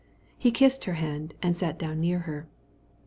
He kissed her hand and sat down beside her.